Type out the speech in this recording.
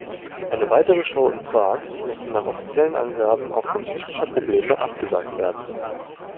Eine weitere Show in Prag musste nach offiziellen Angaben aufgrund technischer Probleme abgesagt werden.